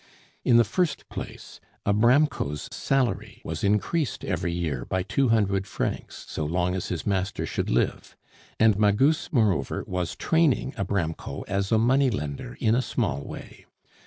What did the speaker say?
In the first place, Abramko's salary was increased every year by two hundred francs so long as his master should live; and Magus, moreover, was training Abramko as a money lender in a small way.